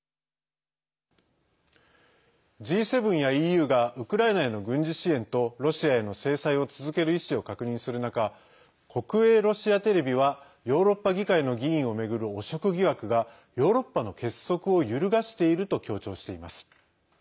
Ｇ７やＥＵがウクライナへの軍事支援とロシアへの制裁を続ける意思を確認する中国営ロシアテレビはヨーロッパ議会の議員を巡る汚職疑惑がヨーロッパの結束を揺るがしていると強調しています。